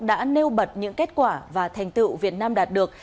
đã nêu bật những kết quả và thành tựu việt nam đạt được